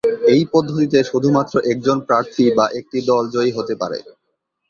এই পদ্ধতিতে শুধুমাত্র একজন প্রার্থী বা একটি দল জয়ী হতে পারে।